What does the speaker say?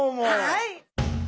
はい！